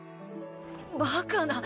バカな！